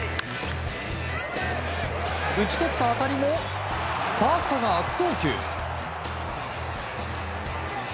打ち取った当たりもファーストが悪送球。